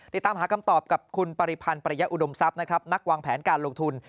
ติดตามหาคำตอบกับคุณปริพันธ์ปริยะอุดมทรัพย์นะครับนักวางแผนการลงทุน